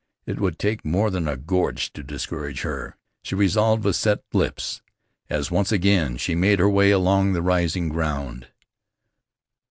It would take more than a gorge to discourage her, she resolved with set lips, as once again she made her way along the rising ground.